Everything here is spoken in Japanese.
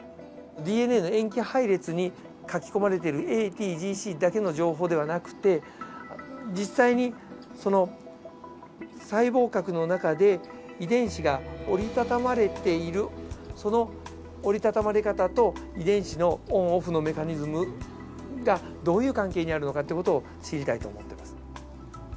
ＤＮＡの塩基配列に書き込まれてるＡＴＧＣだけの情報だけではなくて実際に細胞核の中で遺伝子が折りたたまれているその折りたたまれ方と遺伝子のオンオフのメカニズムがどういう関係にあるのかという事を知りたいと思ってます。